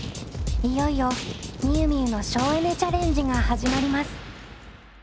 いよいよみゆみゆの省エネ・チャレンジが始まります。